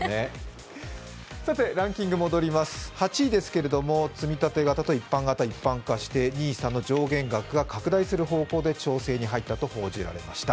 ランキング戻ります、８位ですけど、つみたて型と一般型を一本化しＮＩＳＡの上限額が拡大する方向で調整に入ったと報じられました。